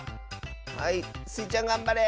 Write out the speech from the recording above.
はいスイちゃんがんばれ！